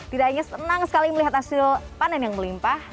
tidak hanya senang sekali melihat hasil panen yang melimpah